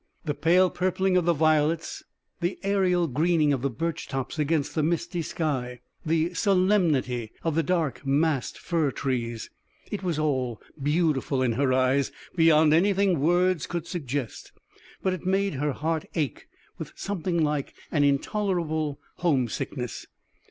The pale purpling of the violets, the aerial greening of the birch tops against the misty sky, the solemnity of the dark, massed fir trees it was all beautiful in her eyes beyond anything words could suggest, but it made her heart ache with something like an intolerable homesickness.